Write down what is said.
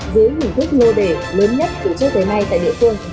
dưới hình thức lô đề lớn nhất từ trước tới nay tại địa phương